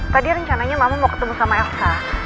tadi rencananya mama mau ketemu sama elsa